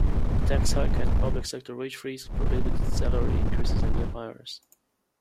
The tax hike and public sector wage freeze prohibited salary increases and new hires.